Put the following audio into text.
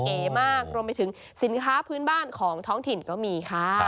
เก๋มากรวมไปถึงสินค้าพื้นบ้านของท้องถิ่นก็มีค่ะ